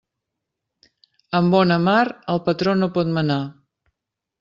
Amb bona mar, el patró no pot manar.